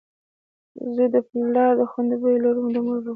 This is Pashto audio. زوی دپلار په خوی بويه، لور دمور په خوی .